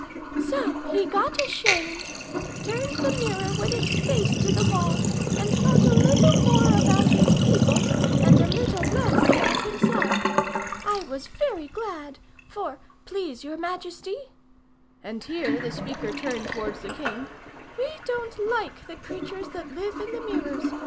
So he got ashamed, turned the mirror with its face to the wall, and thought a little more about his people, and a little less about himself. I was very glad; for, please your majesty," and here the speaker turned towards the king "we don't like the creatures that live in the mirrors.